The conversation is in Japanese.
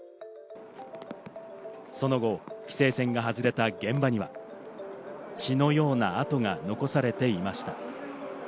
その後、規制線が外れた現場には血のような跡が残されていました。